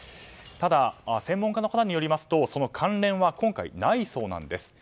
ただ、専門家の方によりますと関連は今回ないそうです。